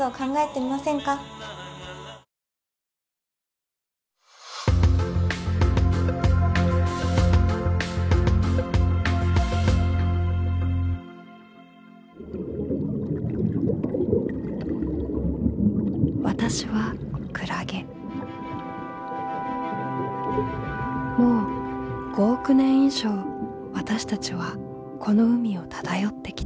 もう５億年以上私たちはこの海を漂ってきた。